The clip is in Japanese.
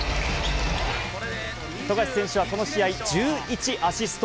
富樫選手はこの試合、１１アシスト。